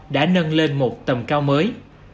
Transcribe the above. đã nâng lên một tầm cao mới